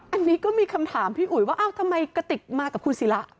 อันนี้ก็มีคำถามพี่อุ๋ยว่าอ้าวทำไมกระติกมากับคุณศิระ